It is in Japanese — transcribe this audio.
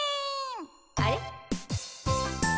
あれ？